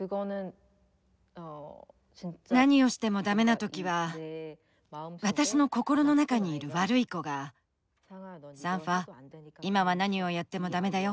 何をしてもだめな時は私の心の中にいる悪い子が「サンファ今は何をやってもだめだよ。